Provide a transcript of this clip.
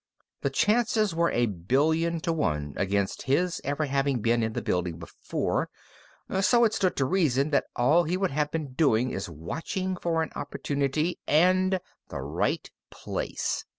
The chances were a billion to one against his ever having been in the building before, so it stood to reason that all he would have been doing is watching for an opportunity and the right place.